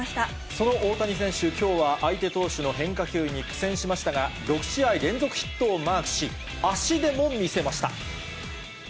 その大谷選手、きょうは相手投手の変化球に苦戦しましたが、６試合連続ヒットをマークし、足でも見せました。